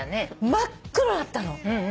真っ黒だったの。